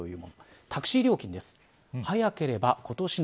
タクシー料金です。